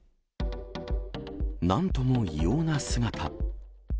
なんとも異様な姿。